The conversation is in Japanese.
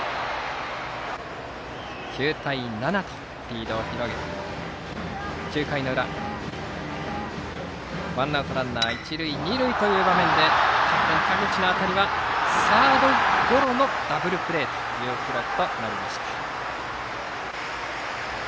９対７とリードを広げ９回の裏、ワンアウトランナー、一塁二塁という場面でキャプテン田口の当たりはサードゴロのダブルプレーという記録となりました。